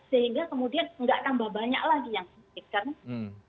sehingga kemudian nggak tambah banyak lagi yang sakit